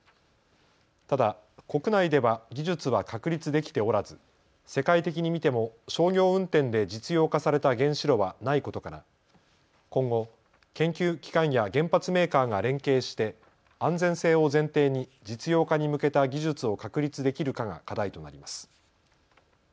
ただ国内では技術は確立できておらず、世界的に見ても商業運転で実用化された原子炉はないことから今後、研究機関や原発メーカーが連携して安全性を前提に実用化に向けた技術を確立できるかが課題となります。